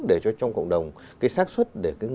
để cho trong cộng đồng cái sát xuất để cái người